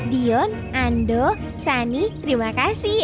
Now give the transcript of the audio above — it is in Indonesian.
dion ando sani terima kasih